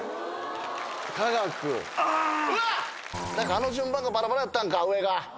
あの順番がバラバラやったんか上が。